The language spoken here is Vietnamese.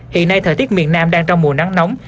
hiện nay thời tiết miền nam đang trong mùa nắng nóng